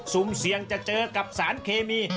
สุ่มเสี่ยงจะเจอกับสารเคมี